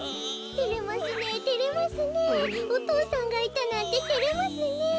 てれますねえてれますねえお父さんがいたなんててれますねえ。